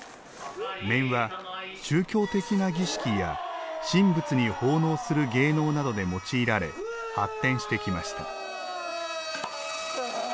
面は、宗教的な儀式や神仏に奉納する芸能などで用いられ、発展してきました。